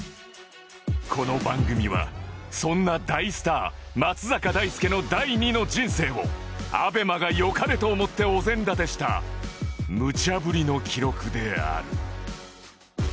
この番組はそんな大スター松坂大輔の第二の人生を ＡＢＥＭＡ が良かれと思ってお膳立てしたむちゃ振りの記録である